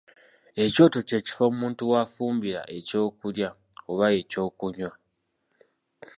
Ekyoto kye kifo omuntu w'afumbira eky'okulya oba eky'okunywa.